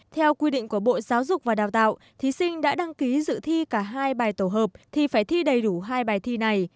theo quy định của bộ giáo dục và đào tạo thí sinh đã đăng ký dự thi cả hai bài tổ hợp thì phải thi đầy đủ hai bài thi này